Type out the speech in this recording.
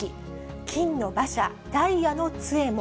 金の馬車、ダイヤの杖も。